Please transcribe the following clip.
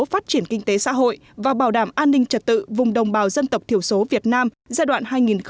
phát triển kinh tế xã hội và bảo đảm an ninh trật tự vùng đồng bào dân tộc thiểu số việt nam giai đoạn hai nghìn một mươi chín hai nghìn hai mươi